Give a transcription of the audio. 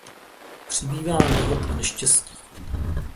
Přibývá nehod a neštěstí.